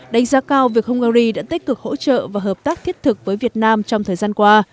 đánh giá cao việc hungary đã tích cực hỗ trợ và hợp tác thiết thực với việt nam trong thời gian qua